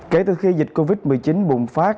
kể từ khi dịch covid một mươi chín bùng phát